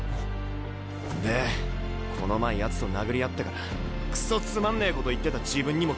でこの前やつと殴り合ってからくそつまんねえこと言ってた自分にも気付いた。